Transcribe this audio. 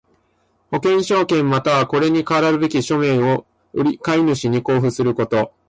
保険証券又はこれに代わるべき書面を買主に交付すること。